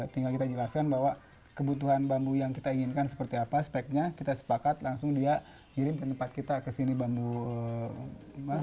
tinggal kita jelaskan bahwa kebutuhan bambu yang kita inginkan seperti apa speknya kita sepakat langsung dia kirim ke tempat kita kesini bambu